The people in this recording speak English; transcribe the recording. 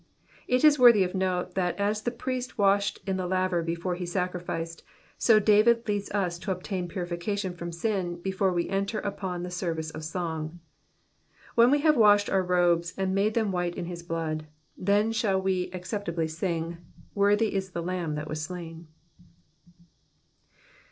It is worthy of note that as the priest washed in the laver before he saciificed, so David le^ds us to obtain purification from sin before we enter upon the service of song. When we have washed our robes and made them white in his blood, then shall we acceptably sing, Worthy is the Lamb that was slain.